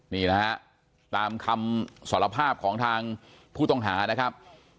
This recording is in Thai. นี่นะฮะตามคำสารภาพของทางผู้ต้องหานะครับ